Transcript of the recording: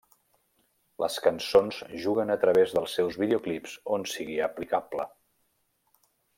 Les cançons juguen a través dels seus videoclips on sigui aplicable.